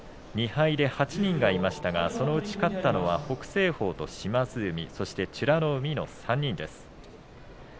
２敗が８人がいましたがそのうち勝ったのは北青鵬と島津海そして美ノ海です。